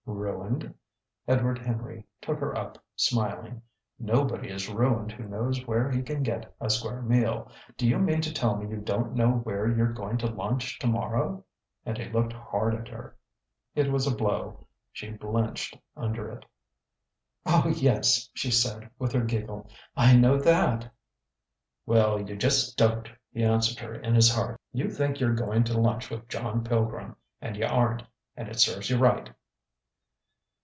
"Ruined?" Edward Henry took her up, smiling. "Nobody is ruined who knows where he can get a square meal. Do you mean to tell me you don't know where you're going to lunch to morrow?" And he looked hard at her. It was a blow. She blenched under it. "Oh, yes," she said, with her giggle, "I know that." ("Well you just don't!" he answered her in his heart. "You think you're going to lunch with John Pilgrim. And you aren't. And it serves you right!")